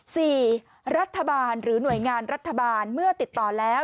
สี่รัฐบาลหรือหน่วยงานรัฐบาลเมื่อติดต่อแล้ว